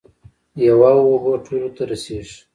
یوه اوبه ټولو ته رسیږي.